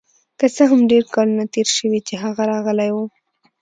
که څه هم ډیر کلونه تیر شوي چې هغه راغلی و